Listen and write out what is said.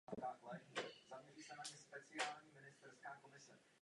Mimochodem velmi oceňuji, že je dne zde přítomna Rada.